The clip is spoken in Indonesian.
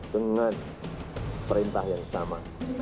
dengan perintah yang sama